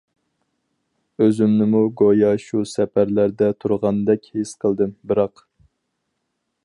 ئۆزۈمنىمۇ گويا شۇ سەپەرلەردە تۇرغاندەك ھېس قىلدىم، بىراق.